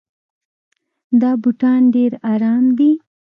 دا بوټان ډېر ارام دي.